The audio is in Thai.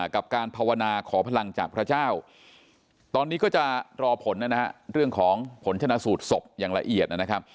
กับการภาวนาขอพลังจากพระเจ้าตอนนี้ก็จะรอผลนะฮะเรื่องของผลชนะสูตรศพอย่างละเอียดนะครับ